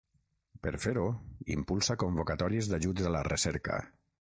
Per fer-ho impulsa convocatòries d’ajuts a la recerca.